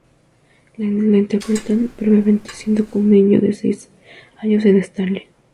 Lo interpretan brevemente como un niño de seis años en "Stalin".